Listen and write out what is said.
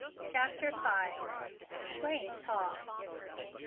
CHAPTER V. PLAIN TALK.